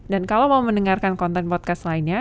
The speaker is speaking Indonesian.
dan kalau mau mendengarkan konten podcast lainnya